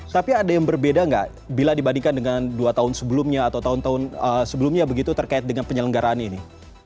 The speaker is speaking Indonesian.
tapi ada yang berbeda nggak bila dibandingkan dengan dua tahun sebelumnya atau tahun tahun sebelumnya begitu terkait dengan penyelenggaraan ini